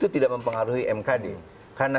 tidak mempengaruhi mkd karena